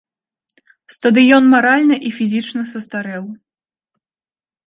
Стадыён маральна і фізічна састарэў.